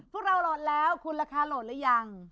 พวกเราโหลดแล้วคุณราคาโหลดหรือยัง